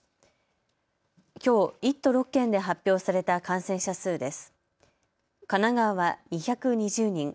きょう１都６県で発表された感染者数です。